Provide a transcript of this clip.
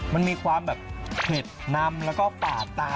มันมีความแบบเผ็ดนำแล้วก็ปาดตา